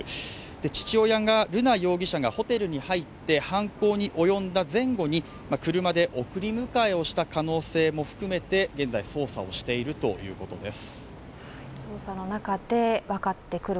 父親が瑠奈容疑者がホテルに入って犯行に及んだ前後に車で送り迎えをした可能性も含めて現在捜査をしているということです。